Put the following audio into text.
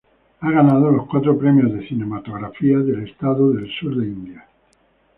Ha ganado los cuatro premios de cinematografía, del estado del sur de India.